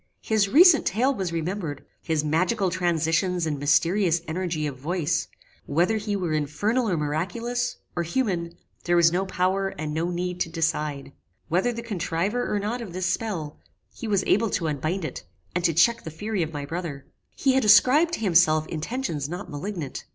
His recent tale was remembered: his magical transitions and mysterious energy of voice: Whether he were infernal or miraculous, or human, there was no power and no need to decide. Whether the contriver or not of this spell, he was able to unbind it, and to check the fury of my brother. He had ascribed to himself intentions not malignant.